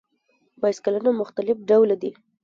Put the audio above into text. بایسکلونه مختلف ډوله دي.